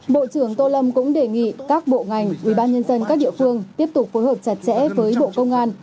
bộ trưởng tô lâm cũng đề nghị các bộ ngành ủy ban nhân dân các địa phương tiếp tục phối hợp chặt chẽ với bộ công an